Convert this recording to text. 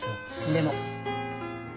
でも。